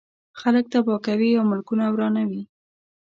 خلک تباه کوي او ملکونه ورانوي.